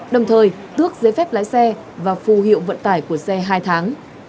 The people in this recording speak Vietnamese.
đồng thời tước giấy phép lái xe và phù hiệu vận tải của xe hai tháng